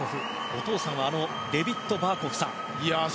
お父さんはあのデビッド・バーコフさん。